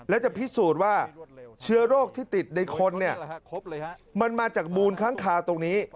และจะพิสูจน์ว่าเชื้อโรคที่ติดในคนเนี่ยมันมาจากมูลค้างคาตรงนี้